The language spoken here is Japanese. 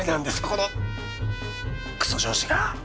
このくそ上司が！